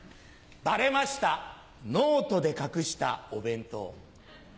バレましたノートで隠したお弁当。